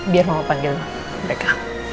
biar mama panggil mereka